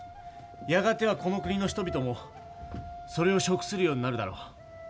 やがてはこの国の人々もそれを食するようになるだろう。